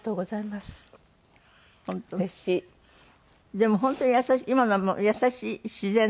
でも本当に優しい今のも優しい自然の。